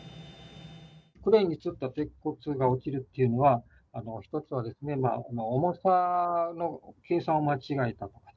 クレーンにつった鉄骨が落ちるっていうのは、１つは重さの計算を間違えた。